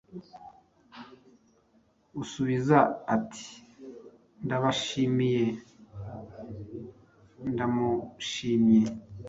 Usubiza ati: “Ndabashimye, ndamushimye,